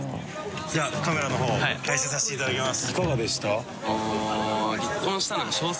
じゃあカメラの方回収させていただきます。